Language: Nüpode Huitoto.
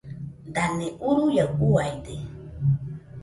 Dane uruaiaɨ uaide.